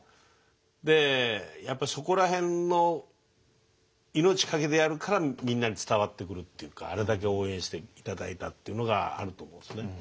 でやっぱりそこら辺の命かけてやるからみんなに伝わってくるっていうかあれだけ応援して頂いたっていうのがあると思うんですね。